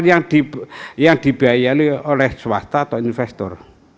yang dibiayai oleh swasta atau investor